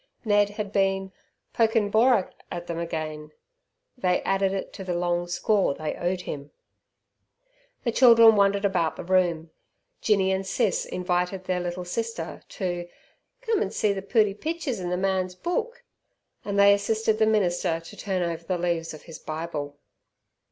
Ned had been "pokin' borak" at them again; they added it to the long score they owed him. The children wandered about the room. Jinny and Sis invited their little sister to "Cum an' see ther pooty picters in the man's book," and they assisted the minister to turn over the leaves of his Bible.